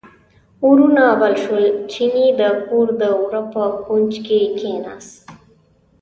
اورونه بل شول، چیني د کور د وره په کونج کې کیناست.